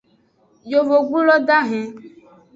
Yovogbulo dahen.